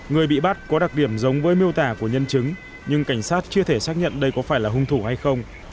người bị bắt có đặc điểm giống với miêu tả của nhân chứng nhưng cảnh sát chưa thể xác nhận đây có phải là hung thủ hay không